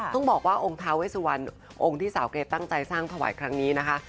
ต้องบอกว่าองค์ท้าเวสวันองค์ที่สาวเกรดตั้งใจสร้างถวายครั้งนี้นะคะ